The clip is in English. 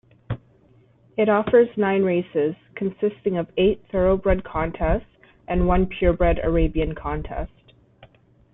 It offers nine races, consisting of eight Thoroughbred contests and one Purebred Arabian contest.